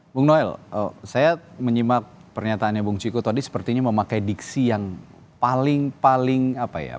bung noel saya menyimak pernyataannya bung ciko tadi sepertinya memakai diksi yang paling paling apa ya